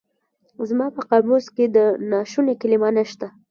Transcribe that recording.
زما په قاموس کې د ناشوني کلمه نشته.